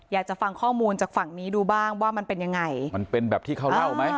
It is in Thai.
อยากจะฟังข้อมูลจากฝั่งนี้ดูบ้างว่ามันเป็นยังไงมันเป็นแบบที่เขาเล่าไหม